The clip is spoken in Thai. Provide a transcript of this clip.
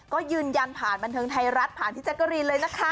ก็ยืนยันผ่านบันเทิงไทยรัฐผ่านพี่แจ๊กกะรีนเลยนะคะ